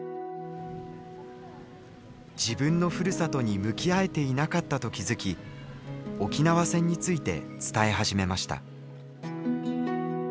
自分のふるさとに向き合えていなかったと気づき沖縄戦について伝え始めました。